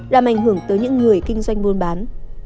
làm ảnh hưởng tới những người kinh doanh buôn bán